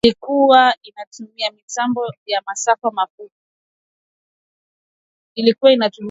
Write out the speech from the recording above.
ilikua inatumia mitambo ya masafa mafupi ,